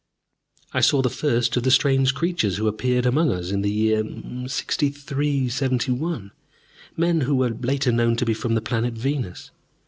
I saw the first of the strange creatures who appeared among us in the year 6371, men who were later known to be from the planet Venus.